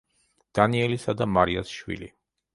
დანიელისა და მარიას შვილი.